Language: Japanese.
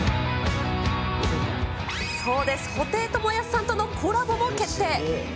そうです、布袋寅泰さんとのコラボも決定。